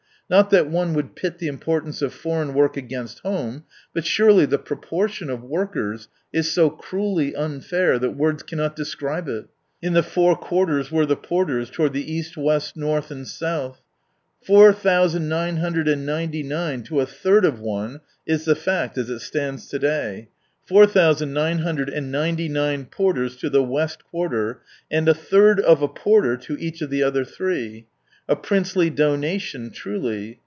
Not that one would pit the importance of foreign work against home, but surely the proportion of workers is so cruelly unfair that words can ..,. not describe it. " In the four quarters were . J V''. the porters : toward the East, West, North, South." Four thousand nine hundred and ninety nine to a third ef ane, is the fact as it stands to day. Four thousand nine hundred and ninety nine porters to the West quarter, and a third of a porter to each of the other three. A princely donation truly